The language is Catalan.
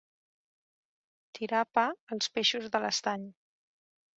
Tirar pa als peixos de l'estany.